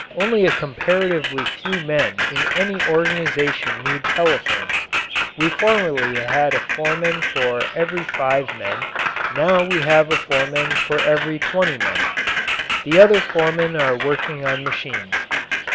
Only a comparatively few men in any organization need telephones. We formerly had a foreman for every five men; now we have a foreman for every twenty men. The other foremen are working on machines.